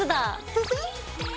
フフッ。